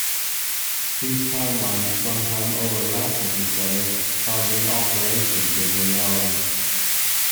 These timelines sometimes overlap with each other, causing alterations in reality.